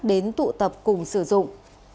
đến tụ tập cùng sử dụng